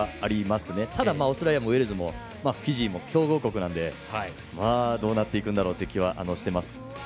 ただ、オーストラリアもウェールズも、フィジーも強豪国なのでどうなっていくんだろうという気はしています。